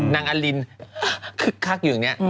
นางอลินคึกคักอยู่อย่างนี้